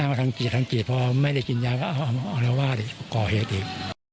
ตั้งทางติดทางติดพอไม่ได้กินยาวอารวาสก็ก่อเหตุอีก